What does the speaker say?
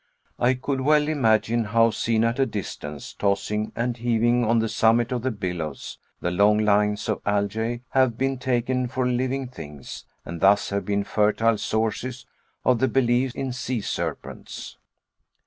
I could well imagine how, seen at a distance, tossing and heaving on the summit of the billows, the long lines of algae have been taken for living things, and thus have been fertile sources of the belief in sea serpents.